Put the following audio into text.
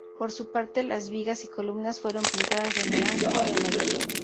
Por su parte, las vigas y columnas fueron pintadas de naranja o de amarillo.